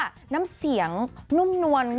คุณฟังเสียงแล้วรู้สึกเป็นยังไง